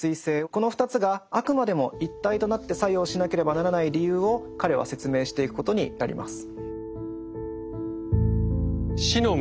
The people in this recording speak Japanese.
この２つがあくまでも一体となって作用しなければならない理由を彼は説明していくことになります。